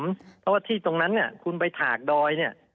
เพราะว่าที่ตรงนั้นเนี่ยคุณไปถากดอยเนี่ย